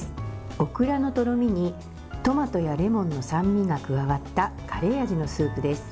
オクラのとろみにトマトやレモンの酸味が加わったカレー味のスープです。